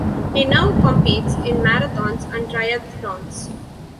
He now competes in marathons and triathlons.